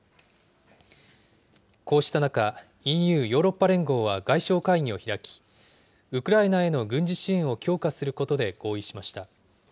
こうした中、ＥＵ・ヨーロッパ連合は外相会議を開き、ウクライナへの軍事支援を強化することで合意しました。